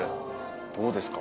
どうですか？